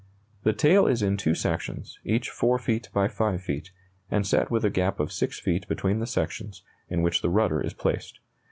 The tail is in two sections, each 4 feet by 5 feet, and set with a gap of 6 feet between the sections, in which the rudder is placed.